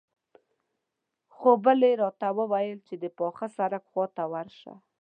خو بلې راته وويل چې د پاخه سړک خواته ورشه.